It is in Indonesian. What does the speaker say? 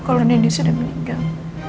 kalau nini sudah meninggal